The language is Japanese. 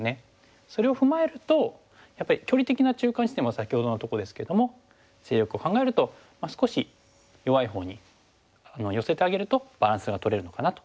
それを踏まえるとやっぱり距離的な中間地点は先ほどのとこですけども勢力を考えると少し弱いほうに寄せてあげるとバランスがとれるのかなと。